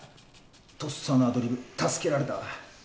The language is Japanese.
とっさのアドリブ助けられたわ。